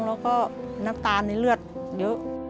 แล้วก็น้ำตาลในเลือดเยอะ